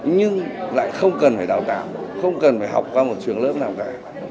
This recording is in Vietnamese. nhưng lại không cần phải đào tạo không cần phải học qua một trường lớp nào cả